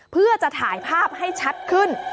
เพื่อจะถ่ายภาพให้ชัดขึ้น